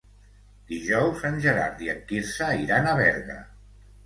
Dijous en Gerard i en Quirze iran a Berga.